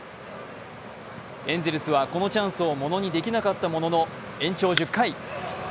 エンゼルスはこのチャンスをものにできなかったものの延長１０回。